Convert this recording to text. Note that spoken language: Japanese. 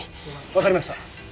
分かりました。